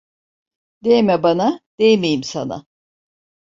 Değme bana, değmeyim sana.